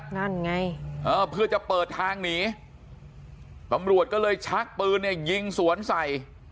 นั่นไงเออเพื่อจะเปิดทางหนีตำรวจก็เลยชักปืนเนี่ยยิงสวนใส่